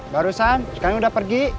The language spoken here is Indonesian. barusan sekarang sudah pergi